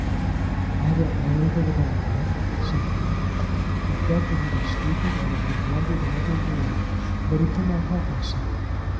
"I don't know anything about that," said he. He felt that he was stupid, and that he blundered in every word, but he could not help himself.